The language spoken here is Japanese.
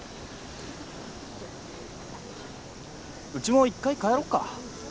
うちも一回帰ろっか？